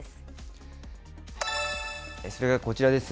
それからこちらです。